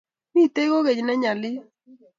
Mitei kokeny ne nyalil.